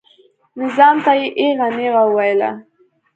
نظام ته یې ایغه نیغه وویله.